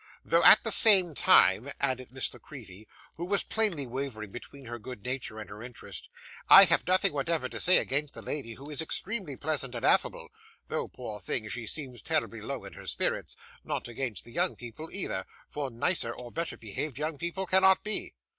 'Though at the same time,' added Miss La Creevy, who was plainly wavering between her good nature and her interest, 'I have nothing whatever to say against the lady, who is extremely pleasant and affable, though, poor thing, she seems terribly low in her spirits; nor against the young people either, for nicer, or better behaved young people cannot be.